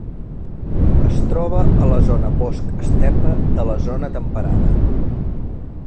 Es troba a la zona bosc-estepa de la zona temperada.